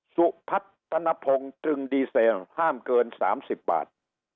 สุพัฒนภงตรึงดีเซลห้ามเกิน๓๐บาท